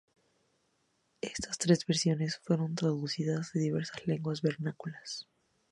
Estas tres versiones fueron traducidas a diversas lenguas vernáculas.